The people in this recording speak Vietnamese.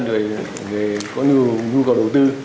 rồi người có nhu cầu đầu tư